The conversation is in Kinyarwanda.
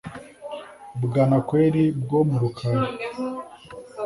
bwanakweli bwo mu rukari